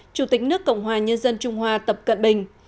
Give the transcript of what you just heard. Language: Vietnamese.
chủ tịch nước cộng hòa nhân dân trung hoa tập cận bình